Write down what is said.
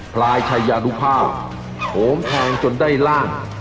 พลายชายานุภาพโหมแทงจนได้ล่าง